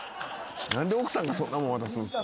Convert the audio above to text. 何で奥さんがそんなもん渡すんすか。